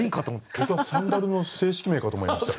僕はサンダルの正式名かと思いました。